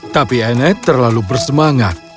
tapi anet terlalu bersemangat